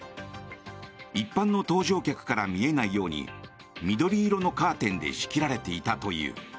一般の搭乗客から見えないように緑色のカーテンで仕切られていたという。